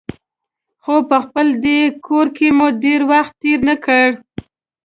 خو په خپل دې کور کې مو ډېر وخت تېر نه کړ.